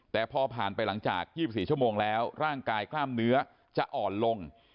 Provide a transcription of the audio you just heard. แต่พอผ่านไปหลังจาก๒๔ชั่วโมงแล้วร่างกายกล้ามเนื้อจะอ่อนลง